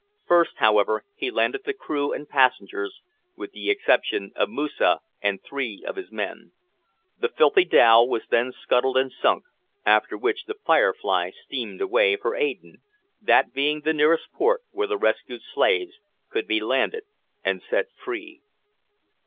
First however, he landed the crew and passengers, with the exception of Moosa and three of his men. The filthy dhow was then scuttled and sunk, after which the `Firefly' steamed away for Aden, that being the nearest port where the rescued slaves could be landed and set free.